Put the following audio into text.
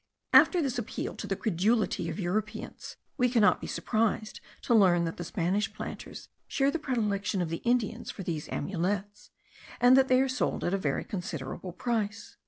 After this appeal to the credulity of Europeans, we cannot be surprised to learn that the Spanish planters share the predilection of the Indians for these amulets, and that they are sold at a very considerable price.